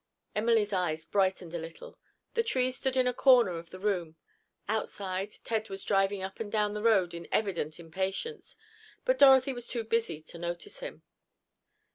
Emily's eyes brightened a little. The tree still stood in a corner of the room. Outside, Ted was driving up and down the road in evident impatience, but Dorothy was too busy to notice him.